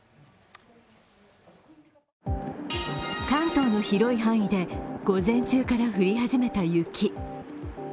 関東の広い範囲で午前中から降り始めた雪。